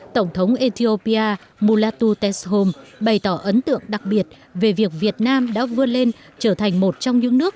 tổng thống ethiopia mulatu teshom bày tỏ ấn tượng đặc biệt về việc việt nam đã vươn lên trở thành một trong những nước